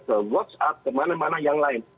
ke whatsapp ke mana mana yang lain